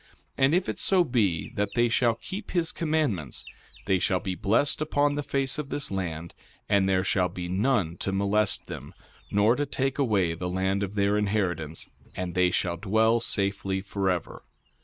And if it so be that they shall keep his commandments they shall be blessed upon the face of this land, and there shall be none to molest them, nor to take away the land of their inheritance; and they shall dwell safely forever.